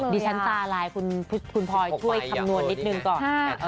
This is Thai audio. ดิฉันตาลายคุณพลอยช่วยคำนวณนิดนึงก่อน